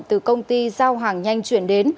từ công ty giao hàng nhanh chuyển đến